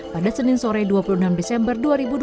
pada senin sore dua puluh enam desember dua ribu dua puluh